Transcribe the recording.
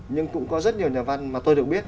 nhưng cũng có rất nhiều nhà văn mà tôi được biết